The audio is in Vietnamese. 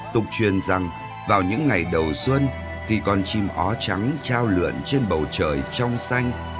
tục truyền rằng vào những ngày đầu xuân khi con chim ó trắng trao lượn trên bầu trời trong xanh